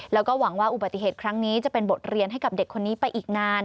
แล้วก็หวังว่าอุบัติเหตุครั้งนี้จะเป็นบทเรียนให้กับเด็กคนนี้ไปอีกนาน